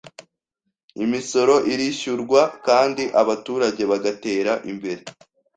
imisoro irishyurwa kandi abaturage bagatera imbere